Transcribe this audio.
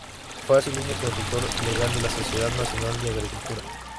Fue asimismo consultor legal de la Sociedad Nacional de Agricultura.